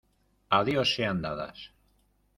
¡ a Dios sean dadas!